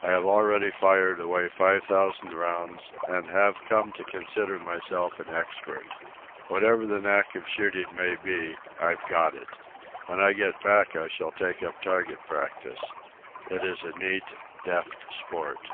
I have already fired away five thousand rounds, and have come to consider myself an expert. Whatever the knack of shooting may be, I've got it. When I get back I shall take up target practice. It is a neat, deft sport.